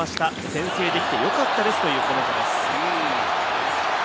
先制できてよかったですというコメントです。